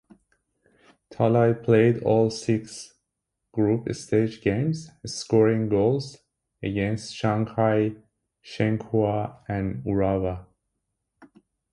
Talay played all six group-stage games, scoring goals against Shanghai Shenhua and Urawa.